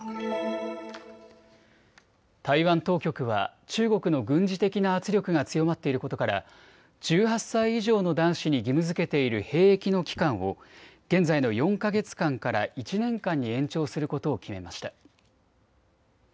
台湾当局は中国の軍事的な圧力が強まっていることから１８歳以上の男子に義務づけている兵役の期間を現在の４か月間から１年間に延長することを決めました。